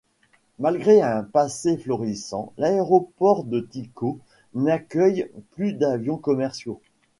Malgré un passé florissant, l'aéroport de Tiko n’accueille plus d'avions commerciaux.